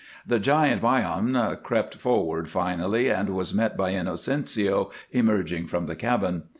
The giant 'Bajan crept forward finally and was met by Inocencio, emerging from the cabin.